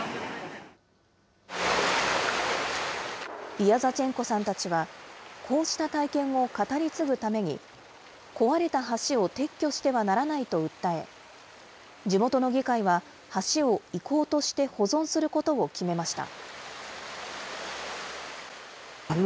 ビアザチェンコさんたちはこうした体験を語り継ぐために、壊れた橋を撤去してはならないと訴え、地元の議会は橋を遺構として保存することを決めました。